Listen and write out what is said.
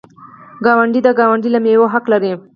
ګاونډی د ګاونډي له میوې حق لري.